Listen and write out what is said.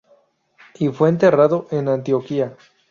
Y fue enterrado en Antioquía.